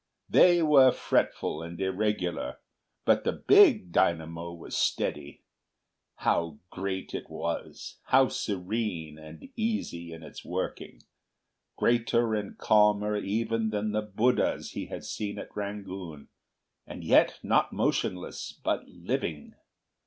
They were fretful and irregular, but the big dynamo was steady. How great it was! How serene and easy in its working! Greater and calmer even than the Buddhas he had seen at Rangoon, and yet not motionless, but living!